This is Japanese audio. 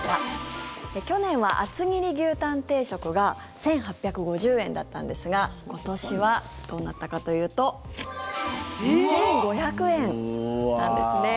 去年は厚切り牛タン定食が１８５０円だったんですが今年はどうなったかというと２５００円なんですね。